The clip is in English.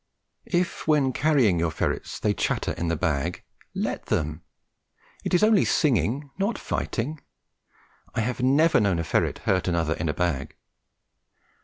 If, when carrying your ferrets, they chatter in the bag, let them; it is only singing, not fighting. I have never known a ferret hurt another in a bag.